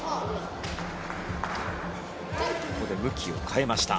ここで向きを変えました。